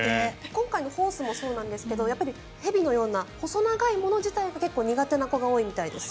今回のホースもそうなんですが蛇のような細長いものが結構苦手な子が多いみたいです。